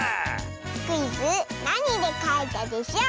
クイズ「なにでかいたでショー」